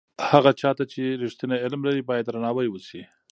هغه چا ته چې رښتینی علم لري باید درناوی وسي.